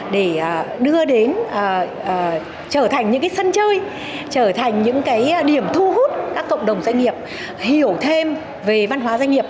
để đưa đến trở thành những sân chơi trở thành những cái điểm thu hút các cộng đồng doanh nghiệp hiểu thêm về văn hóa doanh nghiệp